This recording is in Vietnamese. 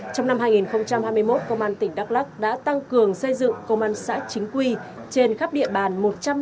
trong năm hai nghìn hai mươi một công an tỉnh đắk lắc đã tăng cường xây dựng công an xã chính quy trên khắp địa bàn một trăm năm mươi hai xã